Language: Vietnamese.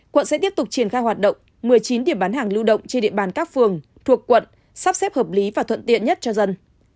quận sẽ tiếp tục triển khai hoạt động một mươi chín điểm bán hàng lưu động trên địa bàn các phường thuộc quận sắp xếp hợp lý và thuận tiện nhất cho dân